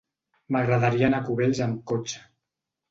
M'agradaria anar a Cubells amb cotxe.